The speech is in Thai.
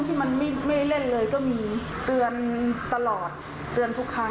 ที่มันไม่เล่นเลยก็มีเตือนตลอดเตือนทุกครั้ง